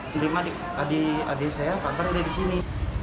sudah mati adik adik saya pampar udah disini